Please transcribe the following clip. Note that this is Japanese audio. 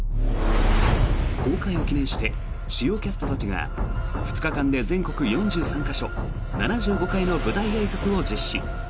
公開を記念して主要キャストたちが２日間で全国４３か所７５回の舞台あいさつを実施。